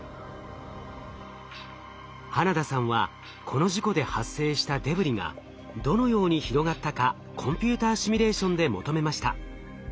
花田さんはこの事故で発生したデブリがどのように広がったかコンピューターシミュレーションで求めました。